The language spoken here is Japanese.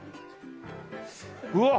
うわっ！